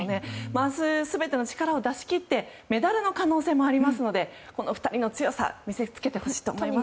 明日、全ての力を出し切ってメダルの可能性もありますのでこの２人の強さ見せつけてほしいと思います。